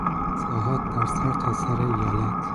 اصلاحات در سرتاسر ایالت